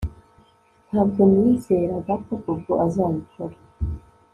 Ntabwo nizeraga ko Bobo azabikora